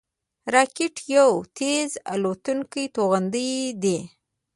راکټ یو تېز الوتونکی توغندی دی